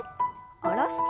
下ろして。